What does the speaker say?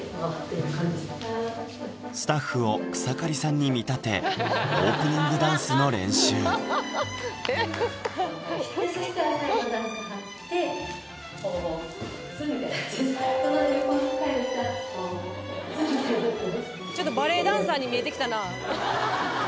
スタッフを草刈さんに見立てオープニングダンスの練習ちょっとバレエダンサーに見えてきたな